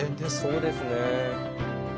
そうですね。